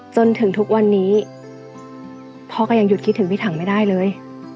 จนถึงทุกวันนี้พ่อก็ยังหยุดคิดถึงพี่ถังไม่ได้เลย